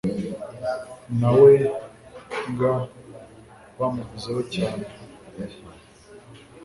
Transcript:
nawe ga bamuvuzeho cyane